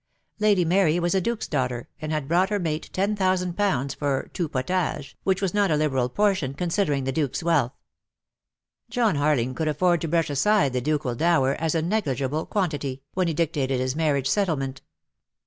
Lady Mary was a duke's daughter, and had brought her mate ten thousand pounds for tout potage , which was not a Uberal portion considering the Duke's wealth. John Harling could afford to brush aside the ducal dower as a negligible quantity, when he dictated his marriage settlement.